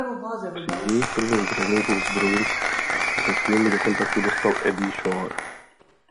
Při jejich prvním tréninku s Bruins se s nimi do kontaktu dostal Eddie Shore.